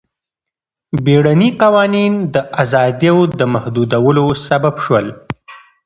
بیړني قوانین د ازادیو د محدودولو سبب شول.